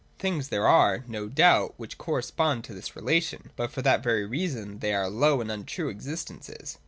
Things there are, no doubt, which correspond to this relation : but for that very reason they are low and untrue existences.